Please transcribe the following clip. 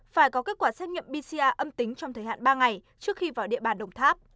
phải có kết quả xét nghiệm pcr âm tính trong thời hạn ba ngày trước khi vào địa bàn đồng tháp